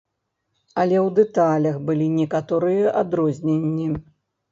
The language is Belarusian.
Але ў дэталях былі некаторыя адрозненні.